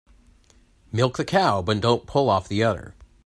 Milk the cow but don't pull off the udder.